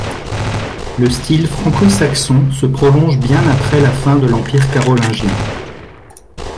Le style franco-saxon se prolonge bien après la fin de l'empire carolingien.